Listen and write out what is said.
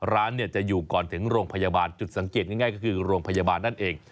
ร้านจะอยู่ก่อนถึงโรงพยาบาลจุดสังเกตง่ายก็คือโรงพยาบาลนั่นเอง